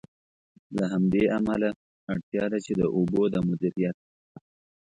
له همدې امله، اړتیا ده چې د اوبو د مدیریت.